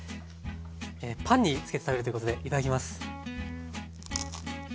パンにつけて食べるということでいただきます。